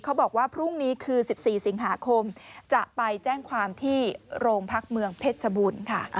เขาบอกว่าพรุ่งนี้คือ๑๔สิงหาคมจะไปแจ้งความที่โรงพักเมืองเพชรชบูรณ์ค่ะ